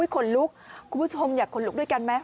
ขนลุกคุณผู้ชมอยากขนลุกด้วยกันไหม